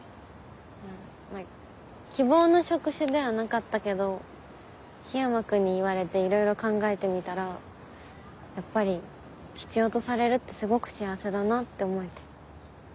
まぁ希望の職種ではなかったけど緋山君に言われていろいろ考えてみたらやっぱり必要とされるってすごく幸せだなって思えて。